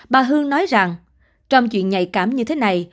bà hương nói rằng trong chuyện nhạy cảm như thế này